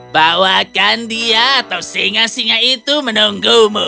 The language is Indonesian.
bawakan dia atau singa singa itu menunggumu